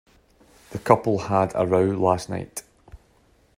The couple had a row last night.